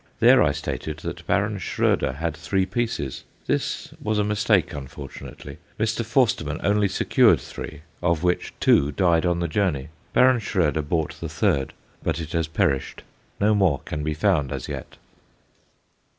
There I stated that Baron Schroeder had three pieces; this was a mistake unfortunately. Mr. Forstermann only secured three, of which two died on the journey. Baron Schroeder bought the third, but it has perished. No more can be found as yet.